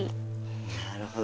なるほど。